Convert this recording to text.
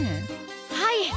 はい。